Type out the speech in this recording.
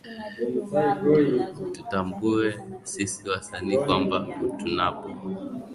tutambue sisi wasanii kwamba tunapo